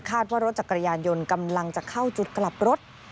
ว่ารถจักรยานยนต์กำลังจะเข้าจุดกลับรถ